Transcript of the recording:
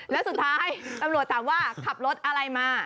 แล้วสุดท้ายตำรวจถามว่าขับรถอะไรมา